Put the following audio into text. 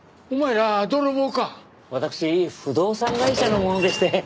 わたくし不動産会社の者でして。